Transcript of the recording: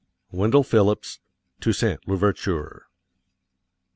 WENDELL PHILLIPS, Toussaint l'Ouverture.